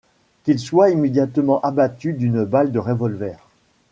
Qu'ils soient immédiatement abattus d'une balle de revolver.